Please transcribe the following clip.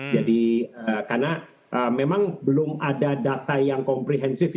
jadi karena memang belum ada data yang komprehensif